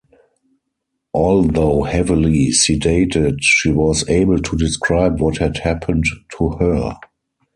Although heavily sedated, she was able to describe what had happened to her.